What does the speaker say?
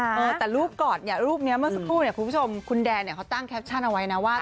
เออแต่รูปก่อนเนี่ยรูปนี้เมื่อสักครู่เนี่ยคุณผู้ชมคุณแดนเนี่ยเขาตั้งแคปชั่นเอาไว้นะว่า